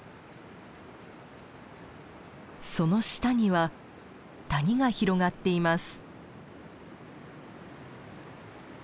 その下には谷が広がっています。